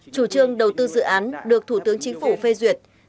chủ trương đầu tư dự án được thủ tướng chính phủ phê duyệt